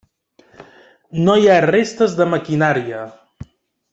No hi ha restes de maquinària.